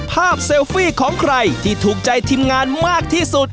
เซลฟี่ของใครที่ถูกใจทีมงานมากที่สุด